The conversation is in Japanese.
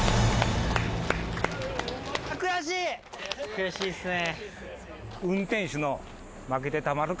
悔しいっすね。